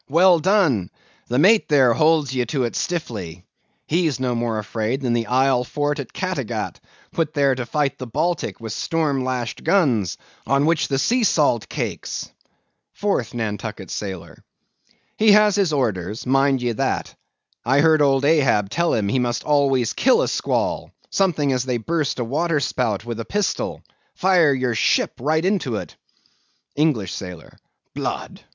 Well done! The mate there holds ye to it stiffly. He's no more afraid than the isle fort at Cattegat, put there to fight the Baltic with storm lashed guns, on which the sea salt cakes! 4TH NANTUCKET SAILOR. He has his orders, mind ye that. I heard old Ahab tell him he must always kill a squall, something as they burst a waterspout with a pistol—fire your ship right into it! ENGLISH SAILOR. Blood!